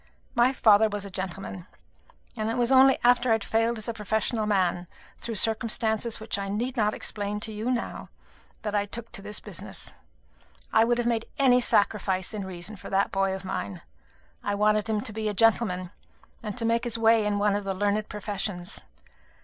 My father was a gentleman; and it was only after I had failed as a professional man, through circumstances which I need not explain to you now, that I took to this business. I would have made any sacrifice in reason for that boy of mine. I wanted him to be a gentleman, and to make his way in one of the learned professions.